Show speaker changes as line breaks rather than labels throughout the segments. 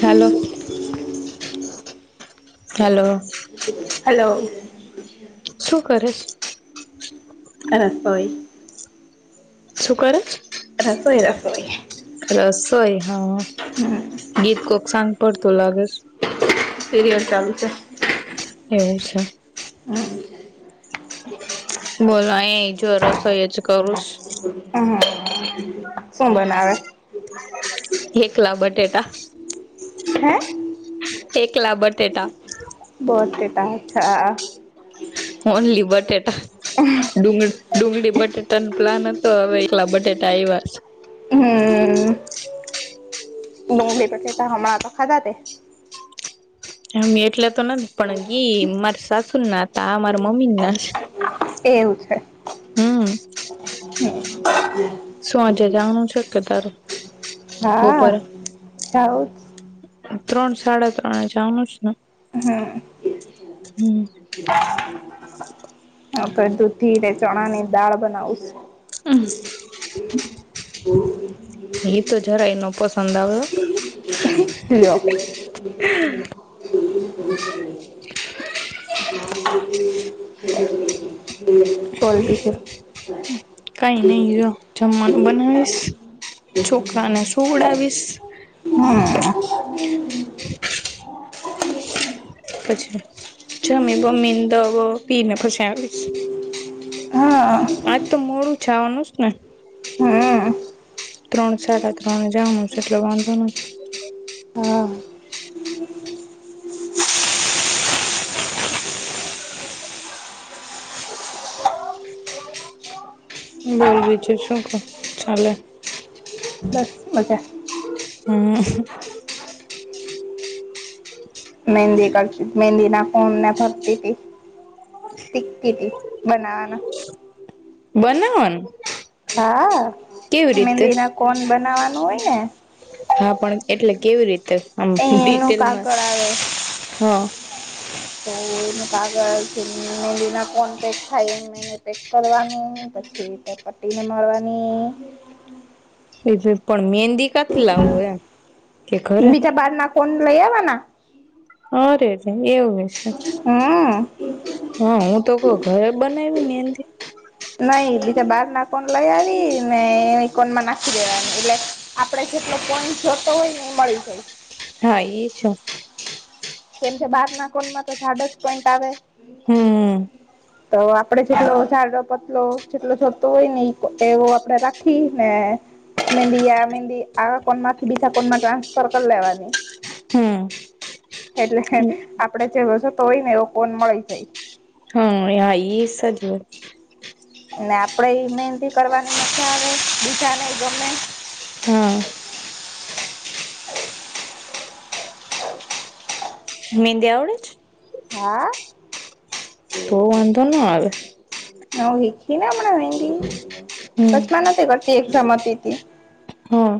Hello hello.
Hello.
શું કરેશ?
હ હોય.
શું કર
રસોઈ રસોઈ.
રસોઈ હા.
હા.
ગીત કોક સંગ પડતું લાગેસ.
સીરયલ ચાલતે.
એવું છે.
હા.
બોલો એ જરસ એ જ કરુંસ.
હમ હા. સું બનાવે. [inaudible]
એકલા બટેાટા.
હે.
એકકલા બટેટા.
બોતેટછા.
ઓનલી બટેાટા ડુંગર. ડુંગળી બટેટા ન પ્લાન હતો હવે એકલા બટેટા આવ્યા.
હમ. ડુંગળી પછતા હમણાં તો ખાધા તે.
હ એટલે તો નથી પણ ગી માર સાસુ ના હતા મારા મમ્મી ના.
એવું છે.
હમ.
હમ.
સું આજે જાણનું છેકે તારું.
હાઉ
બપોરે
જ.
ત્રણ સાડા ત્રણ જનું છે ને હમ.
બ. હ આપ દૂધી ચણા ની દાળ બનાવું.
હા.
બો.
હ તો જરાયનો પસંદ આવ્યો.
ત લયો. પલટીચર.
હમ. કઈ નઈ જો જમવાનું બનાવીશ છોકરાને સોવડાવીશ.
હમ.
હ. પછી જમી બમ્મીને દ પીને ફસ આવીશ.
હા
આજ તો મોડું જાવાનું છે ને.
હમ
ત્રણ સાડા ત્રણ જાવાનું છે એટલે વાંધવાનું છે.
હા.
બોલવી છેું શું ચાલે.
અચજા.
હમ.
મહેંદી કરતી મહેંદી નાખન ના ભરતી હતી. શીખતી હતી બનાવાના.
બનેવન.
હા મંદી ના કોન બનાવાનું હોય ને.
હા પણ એટલે કેવી રીતે આમ
એ એનું
ડિટેલમાં
કાગળ આવે
હા.
તો એ કાગળ મેલી ના કોન્ટેક થાય એમ. ને પેક કરવાનું પછી તે પટ્ટી ને મળવાની.
છે જ પણ મહેંદી કાથી લાવો એમ કે ઘરે.
બીજા બારના કોન લઈ આવવાના.
હા રે ર છે એવું.
હા.
હા હું તો કઉ ઘરે બનાવી મેદી.
નઈ એ તો બહાર ના કોન લઈ આવી ને એ કોણ માં નાખી દેવાની એટલે આપડે જેટલો કોન જોતો હોય ને એ મળી જાય.
હા એ છ.
કેમ કે બાર ના કોનમાં તો જાડો જ પોઈન્ટ આવે.
હમ
તો આપડે જેટલો જાડો પતલો જેટલો થતો હોય ને એવો આપડે રાખ. થી ને મેંદીં આ મેદી આ કોનમાંથી બીજા કોનમા ટ્રાન્સફર કરી લેવાની.
હમ
એટલે આપડે જેવો જોતો હોય ને એવો કોન મળી જાય.
હમ એઈ સાજ.
ને આપડે ઈ મહેદી કરવાની મઝા આવે બીજા નઈ ગમે.
હા. મેંદી આવડે જ.
હા.
તો વાંધો ન આવે.
હ વીખી ને હમણાં મેંદી
હમ
વચમાં નથી કરતી એક્ઝામ હતી તી.
હા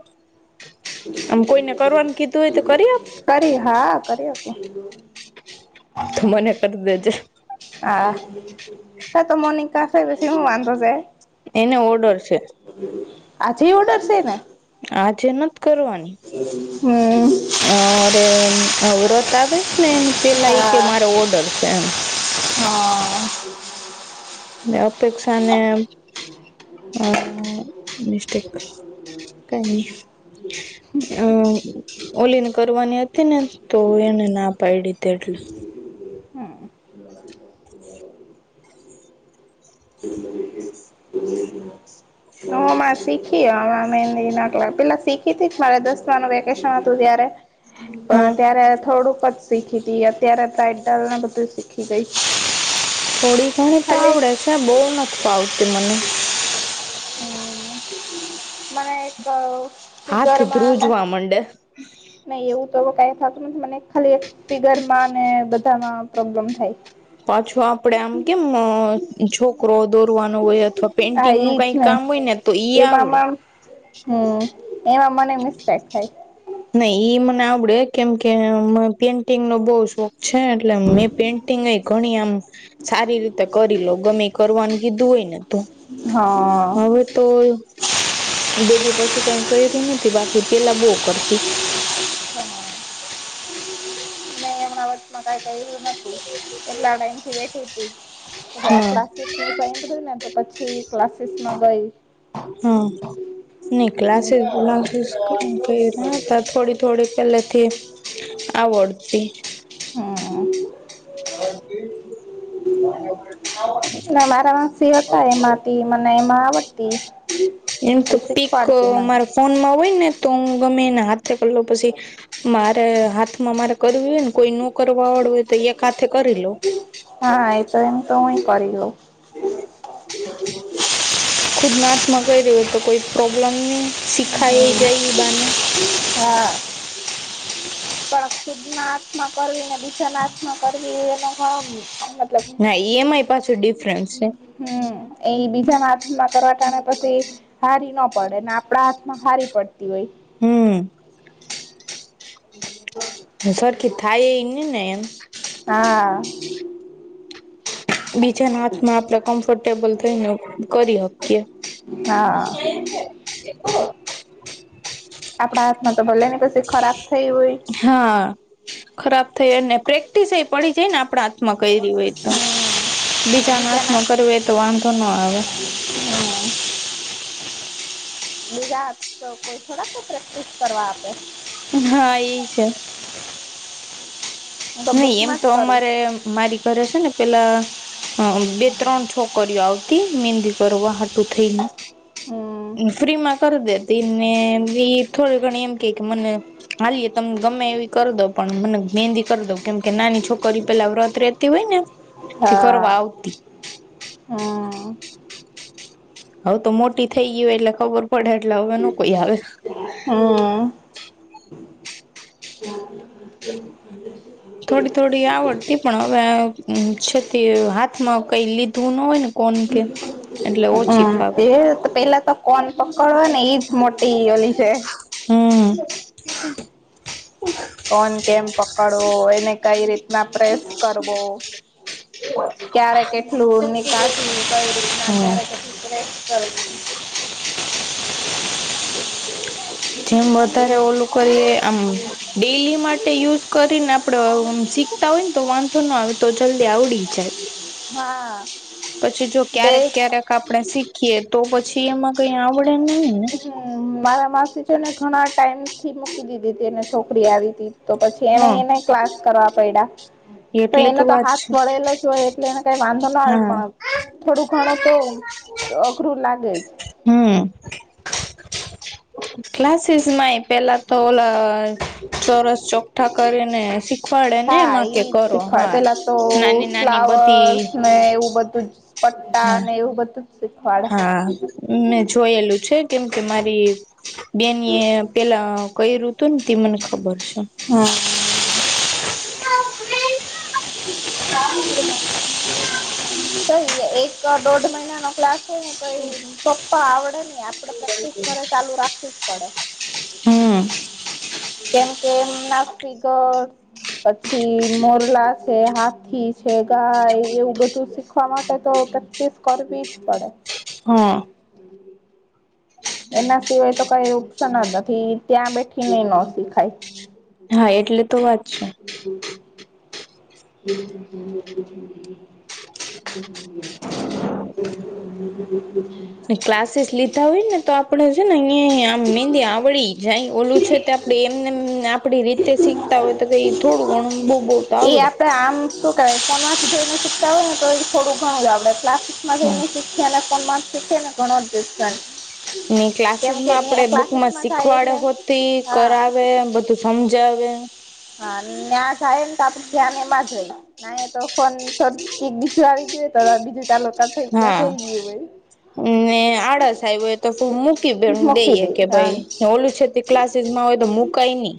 આમ કોઈને કરવાનું કીધું હોય તો કરી આપ.
કરી હા કરી આપો.
તો મને કરી દેજે.
આ ત તો મોનિકા છે પછી હું વાંધો છે.
એને ઓર્ડર છે.
આજેયે ઓર્ડર છે એને.
આજે નથ કરવાની.
હમ.
અ રે આ વ્રત આવેસ ને એ પેલા એ કે મારો ઓર્ડર છે એમ.
હા.
અપેક્ષાને અ મિસ્ટેક. કઈ ની.
હ [unintelligible]
હમ ઓલીને કરવાની હતી ને તો એને ના પાઈડી તે એટલે.
હમ. એ [inaudible] હું હમણાં શીખી અમા મેદી કલા પેલા શીખી હતી જ મારે દસમારનું વેકેશન હતું ત્યારે
હા
પણ ત્યારે થોડુંક જ. શીખી હતી અત્યારે ટાઇટલને બધું શીખી ગઈ.
થોડી ઘણી તો
ખાલી
આવડે છે બહુ નથી ફાવતી મને.
મને એક.
હાથ
ફિગરમાં ને
ધ્રુજવા મંડે.
નહી એવું તો હવે કઈ થતું નથી મને ખાલી એક ફીગરમાં ને બધામાં પ્રોબ્લેમ થાય.
પાછું આપડે આમ કેમ અ છોકરો દોરવાનું હોય અથવા
હા
પેઇન્ટિંગનું કઈ
એજ
કામ હોય ને. તો ઈ આવડે.
એમાંમાં હમ એમાં મને મિસ્ટેક થાય.
નઈ એ મને આવડે કેમ કે પેન્ટિંગનો બહુ શોખ. છે એટલે મેં પેઇન્ટિંગએ ઘણી આમ. સારી રીતે કરી લઉ ગમે કરવાનું કીધું હોય ને તો
હા
હવે. તો બેબી પછી કઈ કર્યું નથી બાકી પેલા બહું કરતી.
હમ મે અમણા વચમાં કાંઈ કર્યું નથી એટલા ટાઈમ થી બેઠી હતી
હા
આટલા સ નું સાભળ્યું ને તો પછી ક્લાસીસમાં ગઈ
હા ની ક્લાસીસ બલાસીસ હતા થોડી થોડીડી પહેલેથી આ ઓડતીથી
હમ ના મારા માસી હતા
[inaudible]
એમાંથી મને એમાંડતી
એમ તો પીક મારા ફોનમાં હોય ને તો હું ગમે એના હાથે કરલો પછી મારે હાથમાં મારે કરવી હોય ને કોઈ નો કરવા વાળું હોય તો એક હાથે કરી લો
હા એ તો એમ તો હુંય કરી લઉ
ખુદનાથ માં કઈ ર્યું હોય તો કોઈ પ્રોબ્લેમ નહી.
હમ હ [unintelligible]
શીખાય એ જાય ઈ બાને
પણ ખુદના આત્મા કરવી નથી બી ા નાશ ન કરવી એ લોકો
હા ઈ એમ આઈ પાસે ડિફરન્સ છે.
હમ એ બીજાના હાથમાં કરવાટા ને પછી હારી ના પડે ને આપડાા હારી પડતી હોય
હમ
હ
હું સરાર કે થાય એઈ ન એનેમ
હા
બીજાના હાથમાં આપડે કમ્ફર્ટેબલ થઈને કરી શકીએ
હા
[inaudible]
આપડા હાથમાં તો ભલે ને પછી ખરાબ થઈ હોય.
હા ખરાબ થઈને પ્રેક્ટિસ એ પડી જાય ને આપણા હાથમાં કર્યું હોય તો બીજાના હાથમાં કર હો તો વાંધો ન આવે
બીજા તો કોઈ થોડાક પ્રેક્ટિસ કરવા આપે
હા એ છે
[inaudible]
નહી એમ
બુકમાં જ
તો
કરું
અમારે મારી ઘરે છે ને પેલા હ બે ત્રણ છોકરીઓ આવતી મંદી કરવા હાટું થઈને
હમ
ફ્રી માં કરી દેતી ને બી થોડી ઘણી એમ કે કે મને ખાલીએ તમમે ગમે એવી કરી દો પણ મને મંદી કરી દઉ કેમ કે નાની છોકરી પેલા વ્રત રેતી હોય ને તે
હા
કરવા આવતી
હમ
હવે તો મોટી થઈ ગય હોય એટલે ખબર પડે એટલે હવે ન કોઈ આવે
હમ
થોડી થોડી આવડતી પણ હવે છે તે હાથમાં કઈ લીધવું ન હોય ને કોણ કે એટલે ઓછી ફાવે
એ પેલા તો કોન પકડ હોય ને એજ મોટી ઓલી છે.
હમ
હે કોણ કેમ પકડવો એને કઈ રીતના પ્રેસ કરવો ક્યારે કેટલું નિકાસ કઈ રીતના
હા
ક્યારે કેટલ
જેમ વધારે
એ
ઓલું કરીએ આમ ડેલી માટે યુઝ કરીને આપડે શીખતા હોય ને તો વાંધો ના આવે તો જલ્દી આવડી જય
હા
પછી જો
બે
ક્યારેક ક્યારેક આપડે શીખીએ તો પછી એમાં કઈ આવડે નહી ને.
હ મારા માસી છે ને ઘણા ટાઈમ થી મૂકી દીધી હતી અને છોકરી આવી હતી તો પછી એને
હા
એને ક્લાસ કરવા પયડા પણ
એટલે
એનો તો
વાત
હાથ
છે
વળેલો જ હોય એટલે એને કઈ વાંધો ના આવે
હા
પણ થોડું ઘણું તો અઘરું લાગે જ.
હમ ક્લાસીસ માં એ પેલા તો ઓલા ચોરસ ચોખઠા કરીને શીખવાડે ને એમાં
ઇજ
કે કરો
શીખવા
હા.
પેલા તો
નાની નાની બધી
ફ્લાવર્સ કઈ એવું બધું જ પટ્ટા
હા
અને એવું બધું જ શીખવાડ
હા મેં જોયેલું છે કેમ કે મારી બેની એ પેલા કઈ ઋતુ ન તે મને ખબર છે.
હા
[unintelligible]
એક દોઢ મહિનાનો ક્લાસ ને પપ્પા આવડે ને આપડે પ્રેક્ટિસ ઘરે ચાલુ રાખવી જ પડે
હમ
[unintelligible] કેમ કે એમના [unintelligible] પછી મોરલા છે હાથી છે ગાય એવું બધું શીખવા માટે તો ટીસ કરવી જ પડે.
હા
એના સિવાય તો કઇ ઓપ્શન જ નથી ત્યાં બેઠીને નો શીખાય.
હા એટલે તો વાત છે.
હમ [inaudible] [inaudible]
ને ક્લાસીસ લીધા હોય ને તો આપ પડે છે ને અહી આમ મેંદી આવડી જાય ઓલું છે તે આપડે એમ ને એમ આપડી રીતે શીખતા હોય તો કઈ થોડું ઘણું બહુ બો
ઈ આપડે આમ શું કેવાય [unintelligible] હોય ને તો એ થોડું ઘણું આપડે એટલા [unintelligible]
હા
ને ઘણો [unintelligible]
ને ક્લાસીસ
કેમ કે
માં આપડે બુકમાં
ક્લાસીસમાં થાય
શીખવાડે
એટલે
હોતી ઈ
હા
કરાવે એ બધું હમજાવે
હા નયા જઈએ ને તો આપણે ધ્યાન એમાજ હોય ના એ તો ફોન થોડ કક બીજું આવી ગયું તો બીજું ચાલુ થ થઈ ગયું તો
હા
બીજું [unintelligible]
ને આડસ આયવુ હોય તો [unintelligible]
મૂકી
દઈએ
દે
કે
હા
ભઈ ઓલું છે તે ક્લાસીસમાં હોય તો મુકાય નહી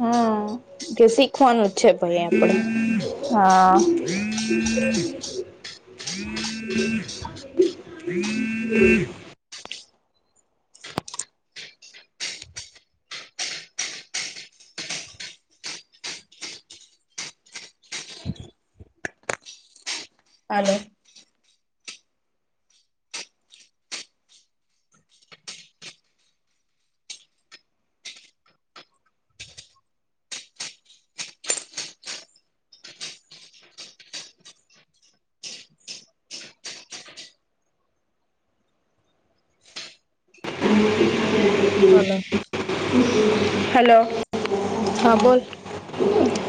હા
કે શીખવાનું જ છે ભાઈ આપડે
હા [inaudible]
હાલો
[unintelligible]
હલો
હલો
હા બોલ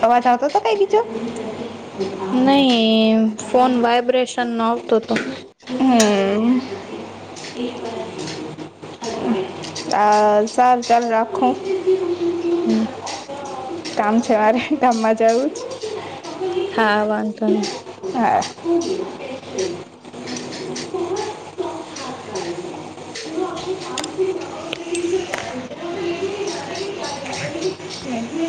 અવાજ આવતો તો કાઈ બીજો?
નહી ફોન વાયબ્રેશન નો આવતો તો.
હમ આ સારુ ચાલો રાખુ.
હમ
કામ છે મારે ગામમાં જાવું છ.
હા વાંધો નહી
હા
[inaudible]
[inaudible]